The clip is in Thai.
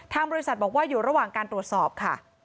บริษัทบอกว่าอยู่ระหว่างการตรวจสอบค่ะ